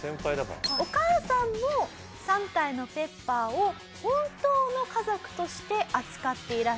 お母さんも３体のペッパーを本当の家族として扱っていらっしゃいます。